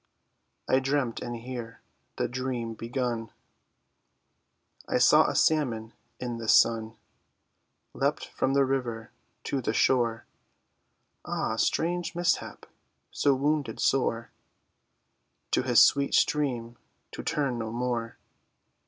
I dreamt, and here the dream begun: I saw a salmon in the sun Leap from the river to the shore— Ah! strange mishap, so wounded sore, To his sweet stream to turn no more.